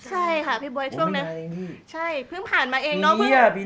ใช่ค่ะพี่บ๊วยช่วงนั้นเพิ่งผ่านมาเอง